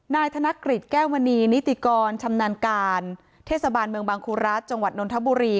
นายกธนกฤษแก้วมณีนิติกรชำนาญการเทศบาลเมืองบางครูรัฐจังหวัดนทบุรี